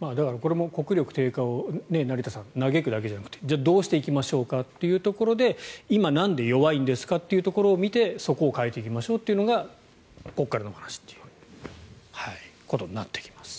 これも国力低下を嘆くだけじゃなくてどうしていきましょうかというところで今、なんで弱いんですかというところを見てそこを変えていきましょうというのがここからのお話ということになってきます。